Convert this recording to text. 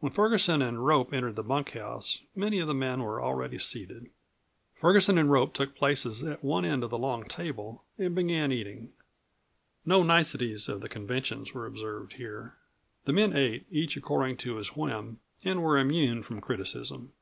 When Ferguson and Rope entered the bunkhouse many of the men were already seated. Ferguson and Rope took places at one end of the long table and began eating. No niceties of the conventions were observed here; the men ate each according to his whim and were immune from criticism.